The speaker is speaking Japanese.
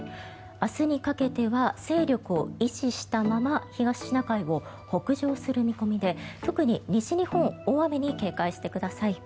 明日にかけては勢力を維持したまま東シナ海を北上する見込みで特に西日本は大雨に警戒してください。